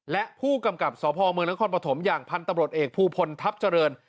และผู้กำกับสพเมืองนครปฐมอย่างพันธุ์ตำรวจเอกภูพลทัพเจริญ